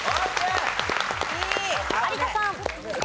有田さん。